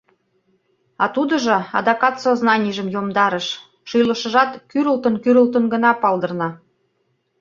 А тудыжо адакат сознанийжым йомдарыш: шӱлышыжат кӱрылтын-кӱрылтын гына палдырна.